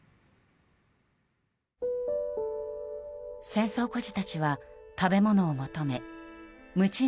戦争孤児たちは食べ物を求め無賃